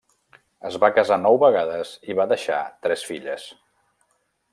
Es va casar nou vegades i va deixar tres filles.